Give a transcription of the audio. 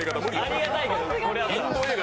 ありがたいです。